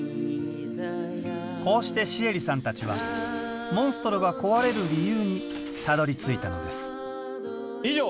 こうしてシエリさんたちはモンストロが壊れる理由にたどりついたのです以上